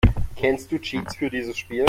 Kennst du Cheats für dieses Spiel?